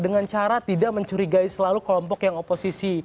dengan cara tidak mencurigai selalu kelompok yang oposisi